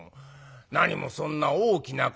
何もそんな大きな声」。